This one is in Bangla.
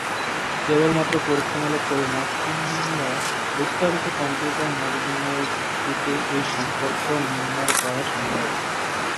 কেবলমাত্র পরীক্ষামূলক পরিমাপ কিংবা বিস্তারিত কম্পিউটার মডেলিং এর ভিত্তিতেই এই সম্পর্ক নির্ণয় করা সম্ভব।